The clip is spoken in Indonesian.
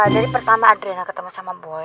dari pertama adrena ketemu sama boy